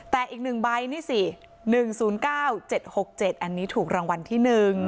แต่อีก๑ใบนี่สิ๑๐๙๗๖๗อันนี้ถูกรางวัลที่๑